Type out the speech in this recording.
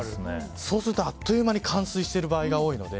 そうなるとあっという間に冠水している場合が多いので。